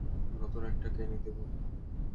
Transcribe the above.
নতুন একটা কিনে দেব।